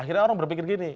akhirnya orang berpikir gini